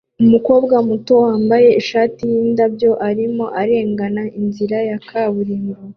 Umukobwa muto wambaye ishati yindabyo arimo arengana inzira ya kaburimbo